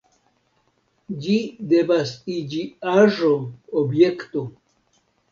Ĝi devas iĝi aĵo, objekto.